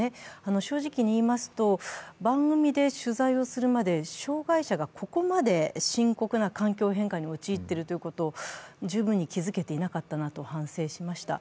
正直に言いますと番組で取材をするまで障害者がここまで深刻な環境変化に陥っているということを十分に気づけていなかったなと反省しました。